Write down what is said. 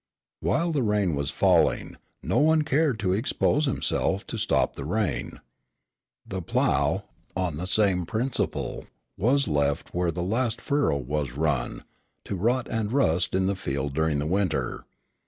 While the rain was falling, no one cared to expose himself to stop the rain. The plough, on the same principle, was left where the last furrow was run, to rot and rust in the field during the winter.